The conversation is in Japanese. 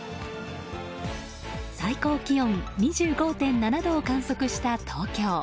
最高気温２５．７度を観測した東京。